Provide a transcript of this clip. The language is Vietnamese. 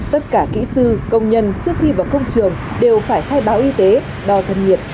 tất cả kỹ sư công nhân trước khi vào công trường đều phải khai báo y tế đo thân nhiệt